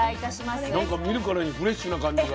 なんか見るからにフレッシュな感じが。